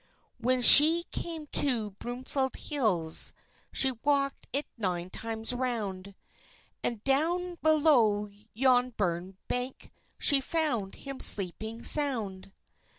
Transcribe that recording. When she came to Broomfield Hills, She walked it nine times round, And down below yon burn bank, She found him sleeping sound.